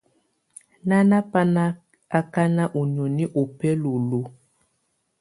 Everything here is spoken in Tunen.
Nana bà na akaka ù niɔ̀ni ù bɛla luǝ̀.